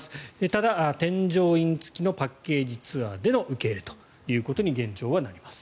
ただ、添乗員付きのパッケージツアーでの受け入れということに現状はなります。